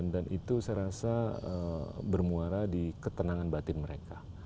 dan itu saya rasa bermuara di ketenangan batin mereka